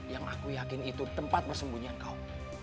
yang aku yakin itu tempat bersembunyinya kau